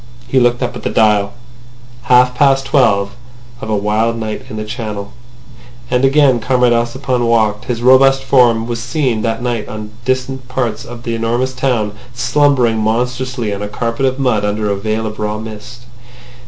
He looked up at the dial. ... Half past twelve of a wild night in the Channel. And again Comrade Ossipon walked. His robust form was seen that night in distant parts of the enormous town slumbering monstrously on a carpet of mud under a veil of raw mist.